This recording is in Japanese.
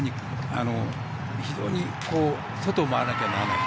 非常に外を回らなきゃならない。